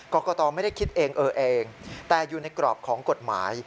กรกตไม่ได้คิดเองเออเองแต่อยู่ในกรอบของกฎหมาย